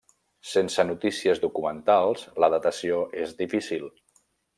Sense notícies documentals la datació és difícil.